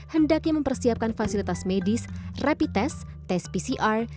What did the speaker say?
hendaknya mempersiapkan fasilitas medis rapid test tes pcr